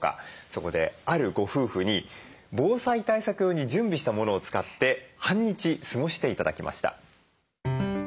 そこであるご夫婦に防災対策用に準備したものを使って半日過ごして頂きました。